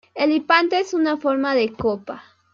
El hipanto es en forma de copa.